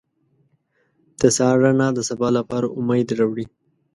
• د سهار رڼا د سبا لپاره امید راوړي.